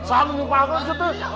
sanggup banget gitu